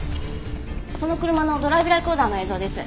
その車のドライブレコーダーの映像です。